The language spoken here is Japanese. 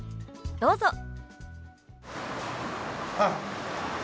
どうぞ。